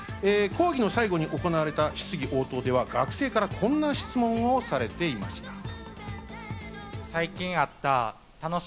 講義の最後に行われた質疑応答では、学生からこんな質問をされていました。